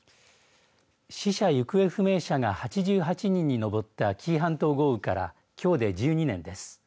死者行方不明者が８８人に上った紀伊半島豪雨からきょうで１２年です。